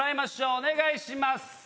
お願いします。